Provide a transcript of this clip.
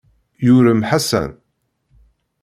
Yurem Ḥasan.